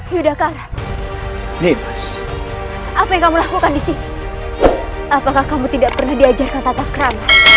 yuda karanus apa yang kamu lakukan di sini apakah kamu tidak pernah diajarkan tata keran